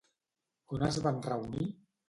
On es van reunir?